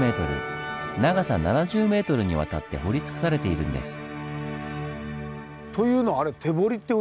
長さ７０ｍにわたって掘り尽くされているんです。